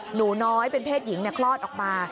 หนูน้อยเป็นเพศหญิงคลอดออกมา